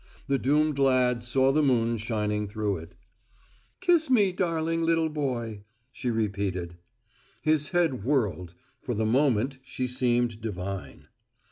The doomed lad saw the moon shining through it. "Kiss me, darling little boy!" she repeated. His head whirled; for the moment she seemed divine.